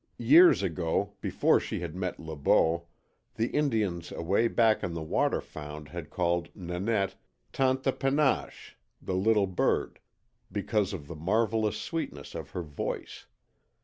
Years ago, before she had met Le Beau, the Indians away back on the Waterfound had called Nanette "Tanta Penashe" ("the Little Bird") because of the marvellous sweetness of her voice.